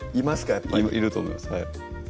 やっぱりいると思います